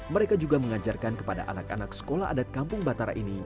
mereka juga mengajarkan kepada anak anak sekolah adat kampung batara ini